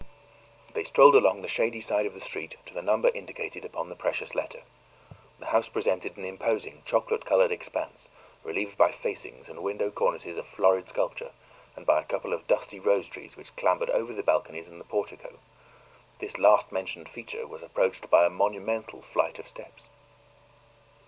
They strolled along the shady side of the street to the number indicated upon the precious letter. The house presented an imposing chocolate colored expanse, relieved by facings and window cornices of florid sculpture, and by a couple of dusty rose trees which clambered over the balconies and the portico. This last mentioned feature was approached by a monumental flight of steps.